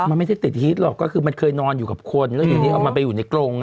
มันไม่ได้ติดฮิตหรอกก็คือมันเคยนอนอยู่กับคนแล้วอยู่นี้เอามันไปอยู่ในกรง